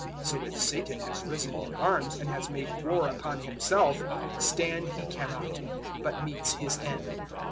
003:026 So if Satan has risen in arms and has made war upon himself, stand he cannot, but meets his end.